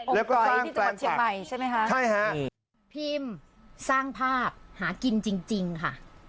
แล้วก็สร้างแปลงแปลงใช่ไหมฮะใช่ฮะพิมริสร้างภาพหากินจริงจริงค่ะ